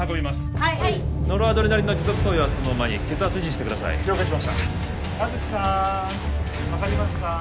はいノルアドレナリンの持続投与はそのままに血圧維持してください了解しました葉月さん分かりますか？